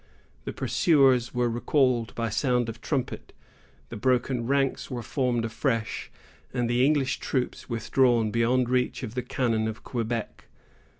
The pursuers were recalled by sound of trumpet; the broken ranks were formed afresh, and the English troops withdrawn beyond reach of the cannon of Quebec.